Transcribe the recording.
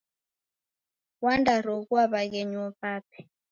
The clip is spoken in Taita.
Wandaroghua w'aghenyu w'ape.